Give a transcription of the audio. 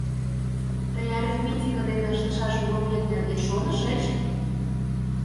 — Тый арифметике дене ыштышаш урокет нерген шонышыч?